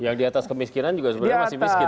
yang di atas kemiskinan juga sebenarnya masih miskin